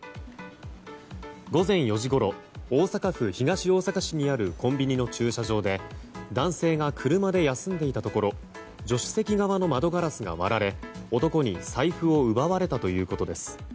午前４時ごろ大阪府東大阪市にあるコンビニの駐車場で男性が車で休んでいたところ助手席側の窓ガラスが割られ男に財布を奪われたということです。